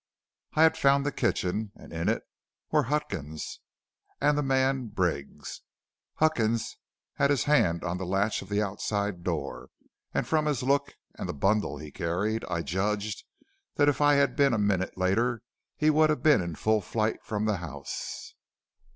"I had found the kitchen, and in it were Huckins and the man Briggs. Huckins had his hand on the latch of the outside door, and from his look and the bundle he carried, I judged that if I had been a minute later he would have been in full flight from the house.